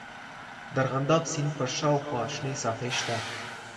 د ارغنداب سیند پر شاوخوا شنې ساحې سته.